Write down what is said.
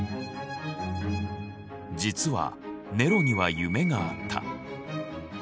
実はネロには夢があった。